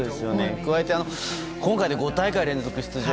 加えて今回、５大会連続出場。